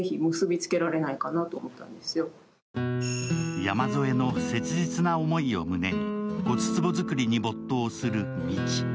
山添の切実な思いを胸に骨壺作りに没頭する道。